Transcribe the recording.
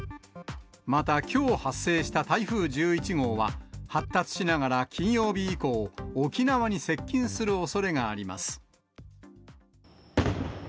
また、きょう発生した台風１１号は、発達しながら金曜日以降、沖縄に接近するおそれがあります。